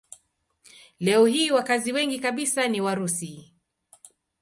Leo hii wakazi wengi kabisa ni Warusi.